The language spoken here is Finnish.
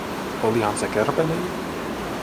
Olihan se kärpänen?